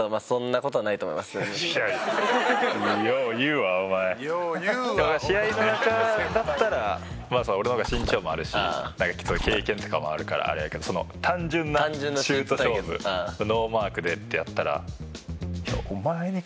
「“よう言うわお前”」試合の中だったらまあ俺の方が身長もあるしなんかきっと経験とかもあるからあれやけど単純なシュート勝負ノーマークでってやったら。